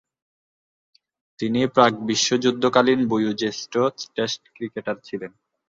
তিনি প্রাক-বিশ্বযুদ্ধকালীন বয়োঃজ্যেষ্ঠ test cricketer ছিলেন।